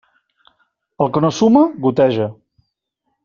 El que no suma, goteja.